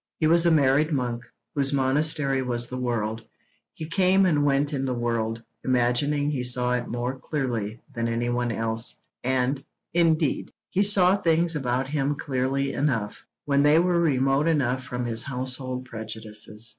He was a married monk, whose monastery was the world; he came and went in the world, imagining he saw it more clearly than any one else; and, indeed, he saw things about him clearly enough, when they were remote enough from his household prejudices.